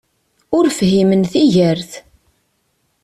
Ur fhimen tigert!